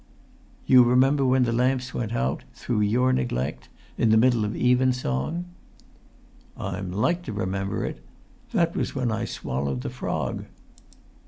"You remember when the lamps went out, through your neglect, in the middle of even song?" "I'm like to remember it. That was when I swallowed the frog."